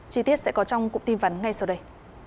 chi tiết sẽ có trong cục tin vấn ngay sau đây